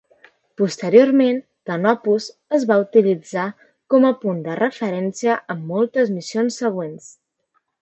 Posteriorment, Canopus es va utilitzar com a punt de referència en moltes missions següents.